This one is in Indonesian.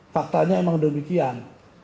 faktanya emang demikian